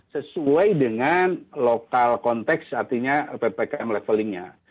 sesuai dengan lokal konteks artinya ppkm levelingnya